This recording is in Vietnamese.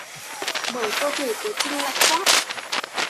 bởi cơ thể của trinh lạnh toát